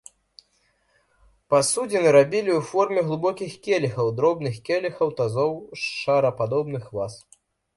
Пасудзіны рабілі ў форме глыбокіх келіхаў, дробных келіхаў, тазоў, шарападобных ваз.